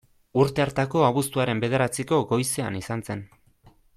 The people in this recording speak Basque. Urte hartako abuztuaren bederatziko goizean izan zen.